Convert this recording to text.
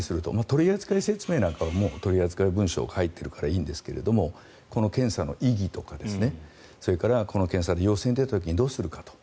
取り扱い説明なんかはもう取り扱い文書を書いてるからいいんですけどこの検査の意義とかこの検査で陽性が出た時にどうするかと。